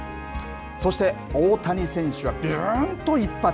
そして大谷選手はびゅーんと一発。